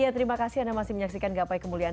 ya terima kasih anda masih menyaksikan gapai kemuliaan